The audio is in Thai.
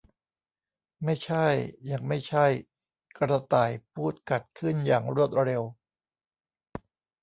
ไม่ใช่ ยังไม่ใช่ ! กระต่ายพูดขัดขึ้นอย่างรวดเร็ว